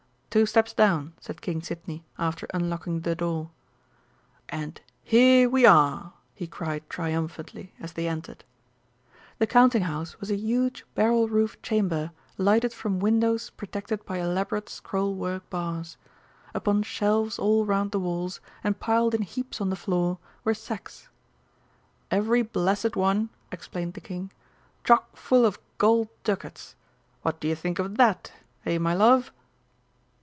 "Two steps down," said King Sidney after unlocking the door. "And here we are!" he cried triumphantly, as they entered. The Counting house was a huge barrel roofed chamber lighted from windows protected by elaborate scroll work bars. Upon shelves all round the walls, and piled in heaps on the floor, were sacks, "Every blessed one," explained the King, "chock full of gold ducats! What do you think of that, eh, my love?"